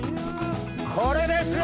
これですよ！